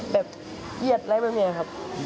แบบเย็ดแล้วไปมีครับ